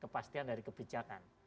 kepastian dari kebijakan